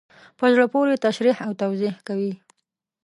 په زړه پوري تشریح او توضیح کوي.